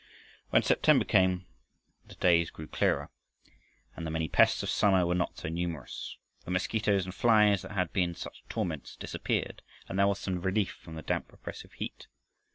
When September came the days grew clearer, and the many pests of summer were not so numerous. The mosquitoes and flies that had been such torments disappeared, and there was some relief from the damp oppressive heat.